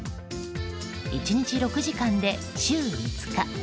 １日６時間で週５日。